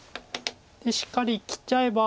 しっかり生きちゃえば。